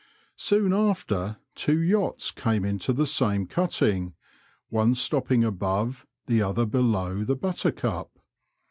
Soon after, two yachts came into the same cutting, one stopping above, the other below the Buttercup.